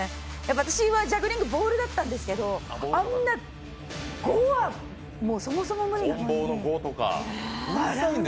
私はジャグリング、ボールだったんですけど、あんな５はそもそも無理なんで。